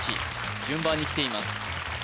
順番にきています